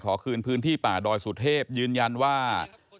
คืนพื้นที่ป่าดอยสุเทพยืนยันว่า